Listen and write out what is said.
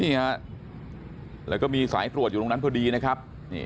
นี่ฮะแล้วก็มีสายตรวจอยู่ตรงนั้นพอดีนะครับ